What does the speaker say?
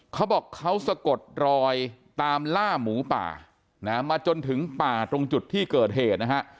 เขาบอกเขาสะกดรอยตามล่าหมูป่านะฮะมาจนถึงป่าตรงจุดที่เกิดเหตุนะฮะ